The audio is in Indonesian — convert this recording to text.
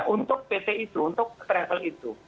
untuk pt itu untuk travel itu